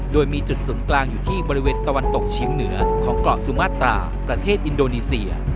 โดยมีจุดศูนย์กลางอยู่ที่บริเวณตะวันตกเฉียงเหนือของเกาะสุมาตราประเทศอินโดนีเซีย